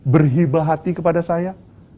berhibah hati kepada saya